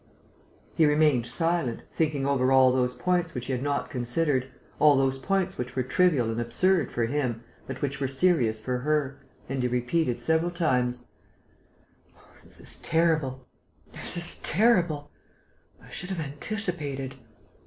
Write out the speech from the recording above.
He remained silent, thinking over all those points which he had not considered, all those points which were trivial and absurd for him, but which were serious for her, and he repeated several times: "This is terrible ... this is terrible.... I should have anticipated...."